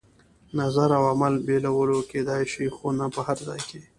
نظر او عمل بېلولو کېدای شي، خو نه په هر ځای کې.